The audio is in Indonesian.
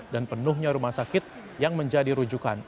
dan penuhnya rumah sakit yang menjadi rujukan